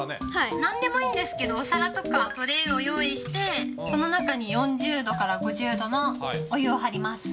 なんでもいいんですけど、お皿とかトレイを用意して、その中に４０度から５０度のお湯を張ります。